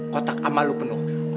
kotak amal lu penuh